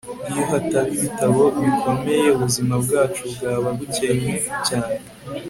iyo hataba ibitabo bikomeye, ubuzima bwacu bwaba bukennye cyane